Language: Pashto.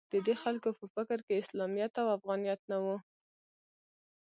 د دې خلکو په فکر کې اسلامیت او افغانیت نه و